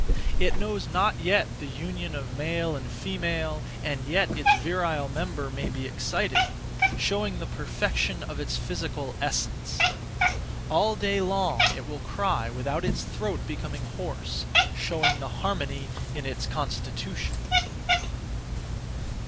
It knows not yet the union of male and female, and yet its virile member may be excited; showing the perfection of its physical essence. All day long it will cry without its throat becoming hoarse; showing the harmony (in its constitution).